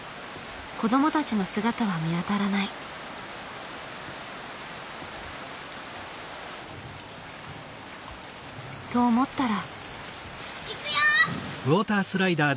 子どもたちの姿は見当たらない。と思ったら。